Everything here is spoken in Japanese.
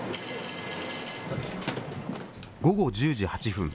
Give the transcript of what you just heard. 午後１０時８分。